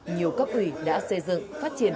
nhiều cấp ủy đã xây dựng phát triển